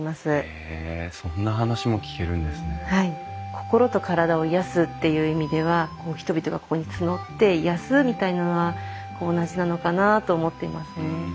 心と体を癒やすっていう意味では人々がここにつどって癒やすみたいなのは同じなのかなと思っていますね。